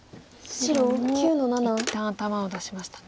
白も一旦頭を出しましたね。